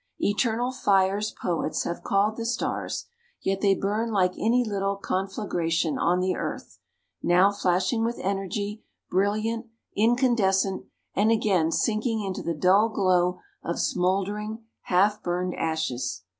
"Eternal fires" poets have called the stars; yet they burn like any little conflagration on the earth; now flashing with energy, brilliant, incandescent, and again sinking into the dull glow of smouldering half burned ashes.